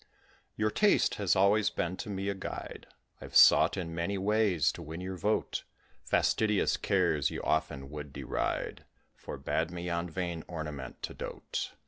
TO M. THE COUNT DE B . Your taste has always been to me a guide; I've sought in many ways to win your vote: Fastidious cares you often would deride, Forbad me on vain ornament to dote.